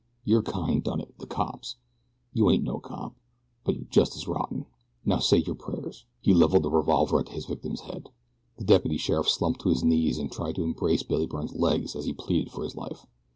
Your kind done it the cops. You ain't no cop; but you're just as rotten. Now say yer prayers." He leveled the revolver at his victim's head. The deputy sheriff slumped to his knees and tried to embrace Billy Byrne's legs as he pleaded for his life.